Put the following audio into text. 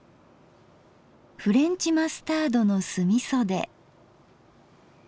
フレンチマスタードの酢みそで。